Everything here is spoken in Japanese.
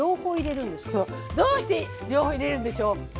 どうして両方入れるでしょうか？